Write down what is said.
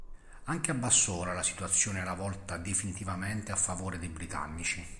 Anche a Bassora la situazione era volta definitivamente a favore dei britannici.